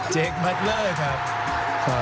เจคบัตเลอร์ครับ